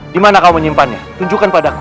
dimana kau menyimpannya tunjukkan padaku